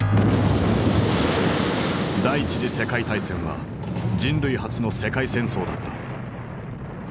第一次世界大戦は人類初の世界戦争だった。